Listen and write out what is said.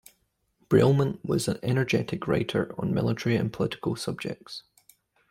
Brialmont was an energetic writer on military and political subjects.